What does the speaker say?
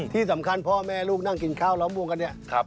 ที่สำคัญพ่อแม่ลูกนั่งกินข้าวล้อมบวงกันเนี่ย